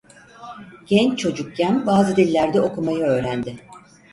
Genç çocukken bazı dillerde okumayı öğrendi.